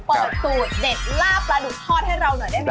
เปิดสูตรเด็ดล่าปลาดุกทอดให้เราหน่อยได้ไหม